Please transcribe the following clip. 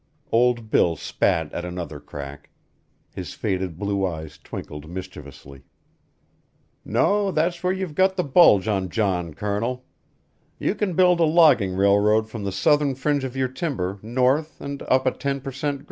Old Bill spat at another crack; his faded blue eyes twinkled mischievously. "No, that's where you've got the bulge on John, Colonel. You can build a logging railroad from the southern fringe of your timber north and up a ten per cent.